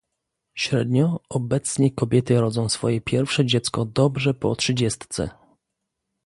Średnio, obecnie kobiety rodzą swoje pierwsze dziecko dobrze po trzydziestce